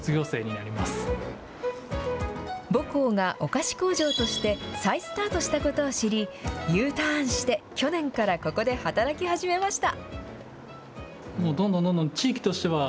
母校がお菓子工場として再スタートしたことを知り、Ｕターンして、去年からここで働き始めました。